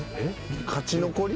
勝ち残り？